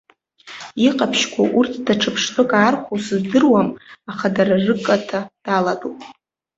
Иҟаԥшьқәоу, урҭ даҽа ԥштәык аархәоу сыздыруам, аха дара рыкаҭа далатәоуп.